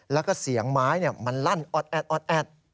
แล้วก็เสียงไม้มันลั่นออดแอด